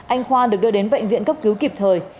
anh khoa được đưa đến bệnh viện cấp cứu kịp thời